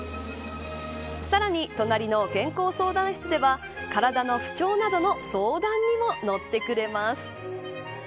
さらに、隣の健康相談室では体の不調などの相談にも乗ってくれます。